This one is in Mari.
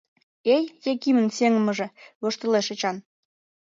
— Эй, Якимын сеҥымыже! — воштылеш Эчан.